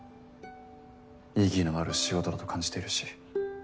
意義のある仕事だと感じているし。